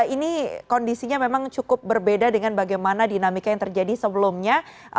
ini kondisinya memang cukup berbeda dengan bagaimana dinamika yang terjadi sebelumnya